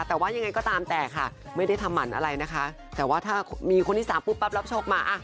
แต่ว่ายังไงก็ตามแต่ค่ะไม่ได้ทำหมั่นอะไรนะคะแต่ว่าถ้ามีคนที่สามปุ๊บปั๊บรับโชคมา